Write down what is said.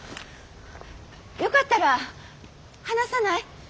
よかったら話さない？